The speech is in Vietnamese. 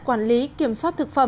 quản lý kiểm soát thực phẩm